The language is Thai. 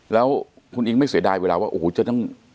แล้วคุณอิงไม่เสียดายเวลาว่าโอ้โหจะต้อง